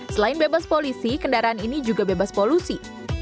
selain bebas polisi kendaraan ini juga bebas polusi